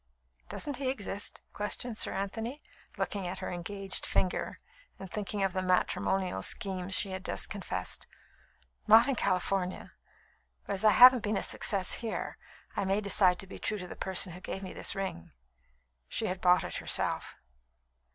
"Doesn't he exist?" questioned Sir Anthony, looking at her "engaged" finger and thinking of the matrimonial schemes she had just confessed. "Not in California. But as I haven't been a success here, I may decide to be true to the person who gave me this ring." (She had bought it herself.)